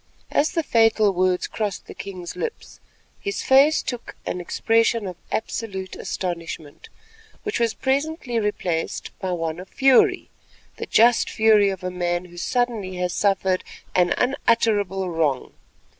As the fatal words crossed the king's lips, his face took an expression of absolute astonishment, which was presently replaced by one of fury—the just fury of a man who suddenly has suffered an unutterable wrong.